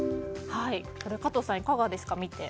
加藤さん、いかがですか？